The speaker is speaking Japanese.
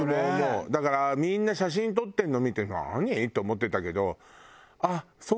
だからみんな写真撮ってるの見て何？と思ってたけど。